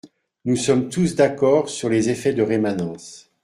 Nous sommes tous d’accord sur les effets de rémanence.